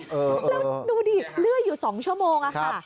แล้วดูดิเลื่อยอยู่๒ชั่วโมงค่ะ